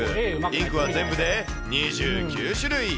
インクは全部で２９種類。